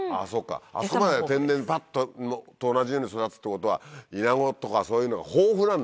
あそこまで天然と同じように育つってことはイナゴとかそういうのが豊富なんだね。